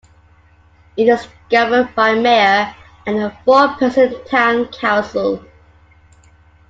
It is governed by mayor and a four-person town council.